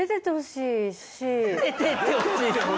「出ていってほしい」！